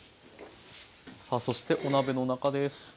さあそしてお鍋の中です。